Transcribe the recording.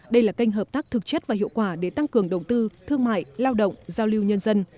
đây là kênh hợp tác thực chất và hiệu quả để tăng cường đầu tư thương mại lao động giao lưu nhân dân